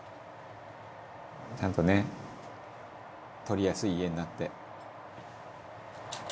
「ちゃんとね取りやすい家になって」